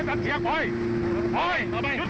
เอายิงจริงเอายิงจริง